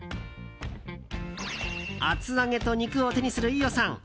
厚揚げと肉を手にする飯尾さん。